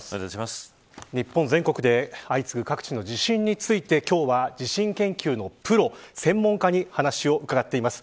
日本全国で相次ぐ各地の地震について今日は地震研究のプロ専門家に話をうかがっています。